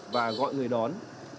và gọi người đón